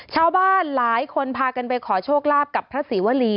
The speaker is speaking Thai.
ชาวบ้านหลายคนพากันไปขอโชคลาภกับพระศรีวรี